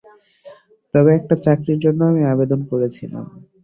তবে একটা চাকরির জন্য আমি আবেদন করেছিলাম।